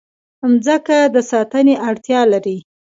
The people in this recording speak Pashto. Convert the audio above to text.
مځکه د ساتنې اړتیا لري.